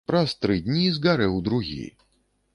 Праз тры дні згарэў другі.